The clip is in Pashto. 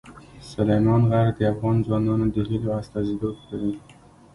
سلیمان غر د افغان ځوانانو د هیلو استازیتوب کوي.